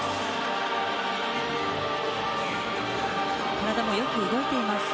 体もよく動いています。